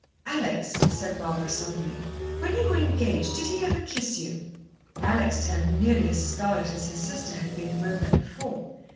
"Alex," said Barbara suddenly, "when you were engaged, did he ever kiss you?" Alex turned nearly as scarlet as her sister had been a moment before.